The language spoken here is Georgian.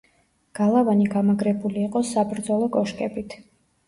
გალავანი გამაგრებული იყო საბრძოლო კოშკებით.